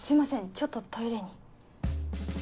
ちょっとトイレに。